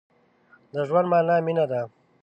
د ژوند مانا مينه ده.